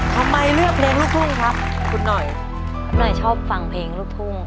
ทำไมเลือกเพลงลูกทุ่งครับคุณหน่อยคุณหน่อยชอบฟังเพลงลูกทุ่ง